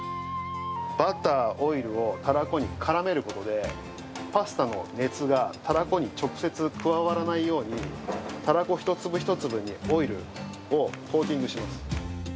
バター、オイルをたらこにからめることで、パスタの熱がたらこに直接加わらないように、たらこ一粒一粒にオイルをコーティングします。